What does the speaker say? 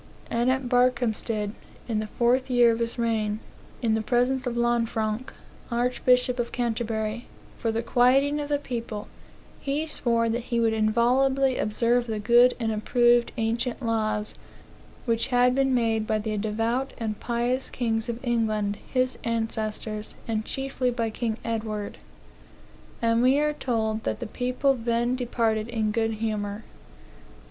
And at Barkhamstead, in the fourth year of his reign, in the presence of Lanfranc, Archbishop of Canterbury, for the quieting of the people, he swore that he would inviolably observe the good and approved ancient laws which had been made by the devout and pious kings of England, his ancestors, and chiefly by King Edward; and we are told that the people then departed in good humor."